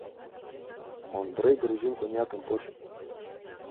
Ондре грузин коньякым почо.